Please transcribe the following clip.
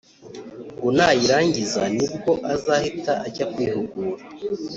ngo nayirangiza nibwo azahita ajya kwihugura